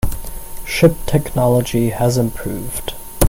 Ship technology has improved.